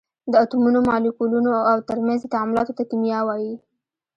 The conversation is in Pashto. د اتومونو، مالیکولونو او تر منځ یې تعاملاتو ته کېمیا وایي.